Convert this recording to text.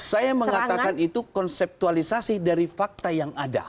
saya mengatakan itu konseptualisasi dari fakta yang ada